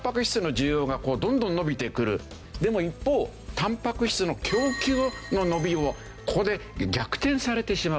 でも一方タンパク質の供給の伸びをここで逆転されてしまう。